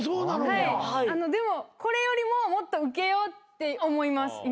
でもこれよりももっとウケようって思います